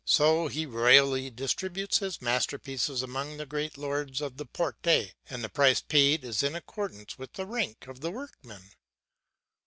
So he royally distributes his masterpieces among the great lords of the Porte and the price paid is in accordance with the rank of the workman.